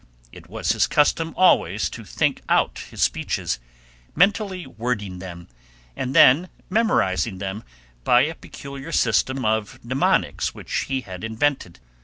It was his custom always to think out his speeches, mentally wording them, and then memorizing them by a peculiar system of mnemonics which he had invented.